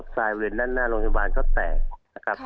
ด้านหน้าโรงพยาบาลก็แตก